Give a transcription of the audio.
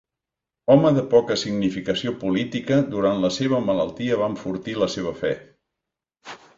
Home de poca significació política, durant la seva malaltia va enfortir la seva fe.